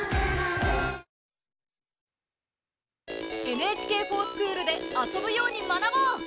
「ＮＨＫｆｏｒＳｃｈｏｏｌ」で遊ぶように学ぼう！